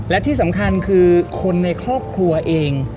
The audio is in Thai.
และที่สำคัญคือคนในครอบครัวเอง